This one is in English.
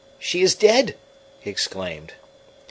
she is dead!" he exclaimed.